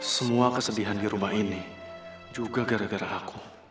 semua kesedihan di rumah ini juga gara gara aku